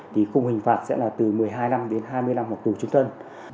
thì khung hình phạt sẽ là từ một mươi hai năm đến hai mươi năm tù chung thân